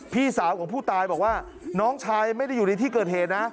พี่สาวของผู้ตายบอกว่าน้องชายไม่ได้อยู่ในที่เกิดเหตุนะ